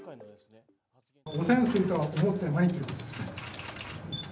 汚染水とは思ってないということですか？